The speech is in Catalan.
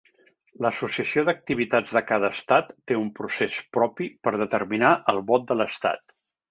L'associació d'activitats de cada estat té un procés propi per determinar el vot de l'estat.